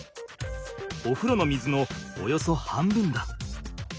おふろの水のおよそ半分だ。